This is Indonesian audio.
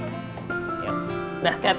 choosing ontong keluarga sudah gimana sih